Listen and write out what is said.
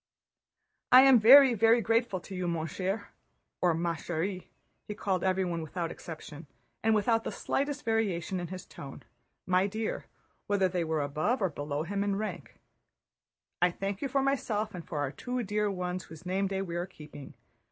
"I am very, very grateful to you, mon cher," or "ma chère"—he called everyone without exception and without the slightest variation in his tone, "my dear," whether they were above or below him in rank—"I thank you for myself and for our two dear ones whose name day we are keeping.